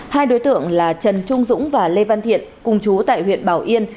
hai đối tượng là trần trung dũng và lê văn thiện cùng chú tại huyện bảo yên